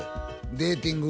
デーティング？